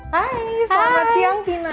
hai selamat siang pina